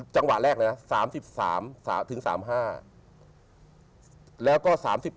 จังหวะแรกนะ๓๓๓๕แล้วก็๓๘๔๑